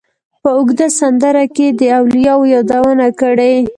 په اوږده سندره کې یې د اولیاوو یادونه کړې.